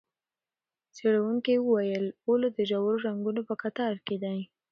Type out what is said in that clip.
څېړونکو وویل، اولو د ژورو رنګونو په کتار کې دی.